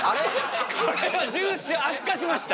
これは悪化しました。